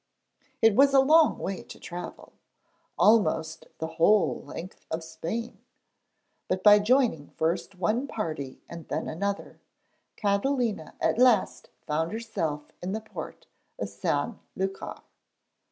It was a long way to travel almost the whole length of Spain but by joining first one party and then another, Catalina at last found herself in the port of San Lúcar.